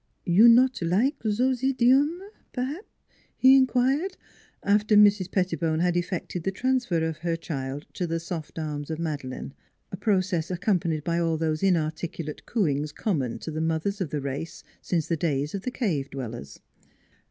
"You not like zose idiome, perhaps?" he in quired, after Mrs. Pettibone had effected the transfer of her child to the soft arms of Madeleine a process accompanied by all those inarticulate cooings common to the mothers of the race since the days of the cave dwellers.